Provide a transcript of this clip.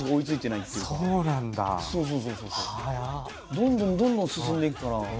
どんどんどんどん進んでいくから。